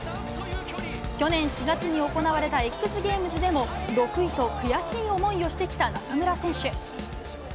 去年４月に行われたＸＧａｍｅｓでも６位と悔しい思いをしてきた中村選手。